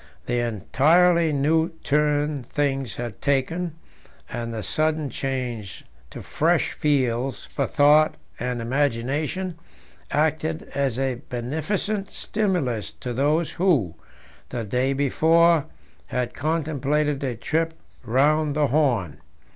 The entirely new turn things had taken, and the sudden change to fresh fields for thought and imagination, acted as a beneficent stimulus to those who, the day before, had contemplated a trip round the Horn.